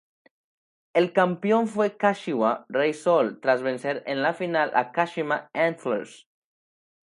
El campeón fue Kashiwa Reysol, tras vencer en la final a Kashima Antlers.